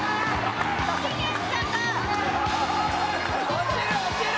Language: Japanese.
落ちる落ちる！